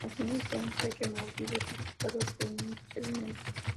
Asimismo, pueden ser removidos de sus cargos por el mismo procedimiento.